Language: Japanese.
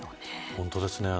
本当ですね。